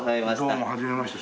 どうもはじめまして。